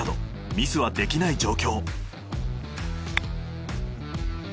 ミスはできない状況。